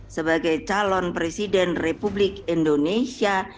sebagai calon presiden republik indonesia